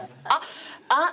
あっ！